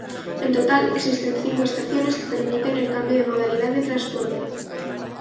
En total, existen cinco estaciones que permiten el cambio de modalidad de transporte.